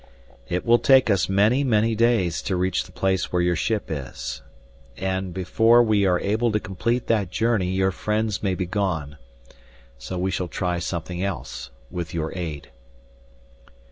"It will take us many, many days to reach the place where your ship is. And before we are able to complete that journey your friends may be gone. So we shall try something else with your aid."